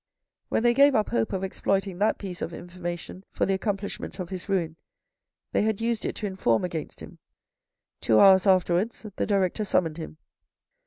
When they gave up hope of exploiting that piece of informa tion for the accomplishment of his ruin, they had used it to inform against him. Two hours afterwards the director summoned him.